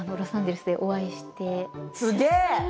すげえ！